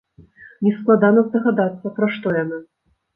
Нескладана здагадацца, пра што яна.